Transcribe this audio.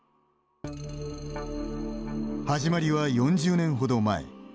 始まりは４０年ほど前。